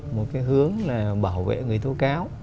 một cái hướng là bảo vệ người tổ cao